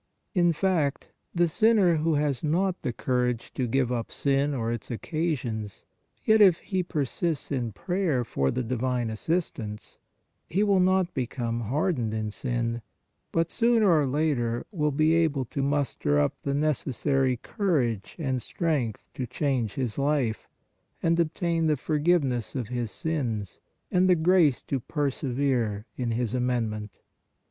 In fact, the sinner who has not the courage to give up sin or its occasions, yet, if he persists in prayer for the divine assistance, he will not become hardened in sin, but sooner or later will be able to muster up the necessary courage and strength to change his life, and obtain the forgive ness of his sins and the grace to persevere in his amendment.